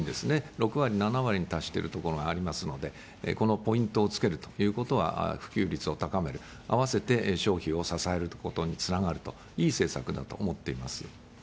６割、７割に達している所がありますので、このポイントをつけるということは、普及率を高める、併せて消費を支えることにつながると、いい政策だと思っています。